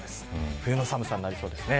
冬の寒さになりそうですね。